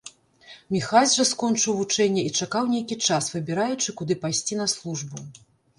Міхась жа скончыў вучэнне і чакаў нейкі час, выбіраючы, куды пайсці на службу.